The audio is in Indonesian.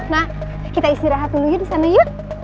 nah kita istirahat dulu yuk di sana yuk